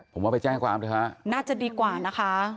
ผมว่าไปแจ้งความด้วยค่ะน่าจะดีกว่านะคะ